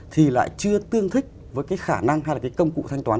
thì lại chưa tương thích với cái khả năng hay là cái công cụ thanh toán